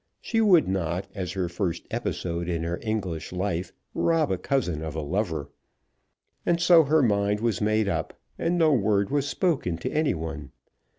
She would not, as her first episode in her English life, rob a cousin of a lover. And so her mind was made up, and no word was spoken to any one.